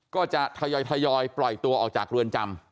ก็จะทยอยปล่อยตัวออกจากเรือนจำ